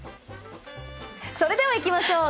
それではいきましょう。